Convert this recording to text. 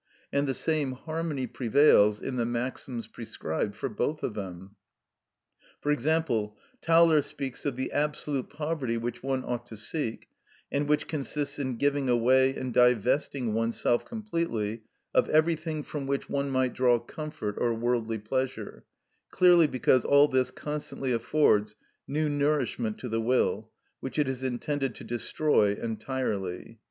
And the same harmony prevails in the maxims prescribed for both of them. For example, Tauler speaks of the absolute poverty which one ought to seek, and which consists in giving away and divesting oneself completely of everything from which one might draw comfort or worldly pleasure, clearly because all this constantly affords new nourishment to the will, which it is intended to destroy entirely.